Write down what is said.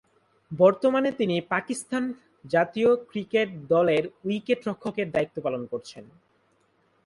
বর্তমানে তিনি পাকিস্তান জাতীয় ক্রিকেট দলের উইকেট-রক্ষক এর দায়িত্ব পালন করছেন।